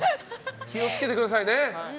気を付けてくださいね。